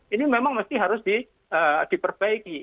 ini memang mesti harus diperbaiki